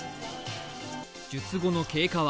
術後の経過は？